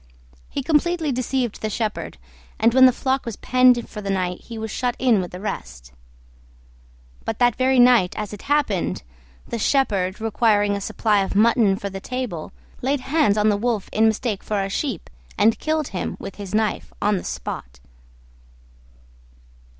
He completely deceived the shepherd, and when the flock was penned for the night he was shut in with the rest. But that very night as it happened, the shepherd, requiring a supply of mutton for the table, laid hands on the Wolf in mistake for a Sheep, and killed him with his knife on the spot.